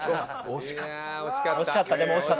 惜しかった。